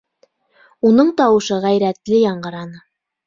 — Уның тауышы ғәйрәтле яңғыраны.